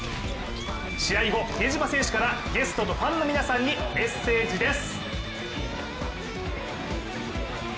試合後、比江島選手からゲストとファンの皆さんにメッセージです。